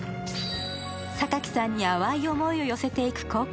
榊さんに淡い思いを寄せていく高校